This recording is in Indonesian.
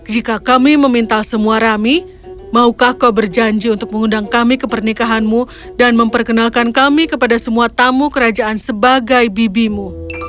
jika kami meminta semua rami maukah kau berjanji untuk mengundang kami ke pernikahanmu dan memperkenalkan kami kepada semua tamu kerajaan sebagai bibimu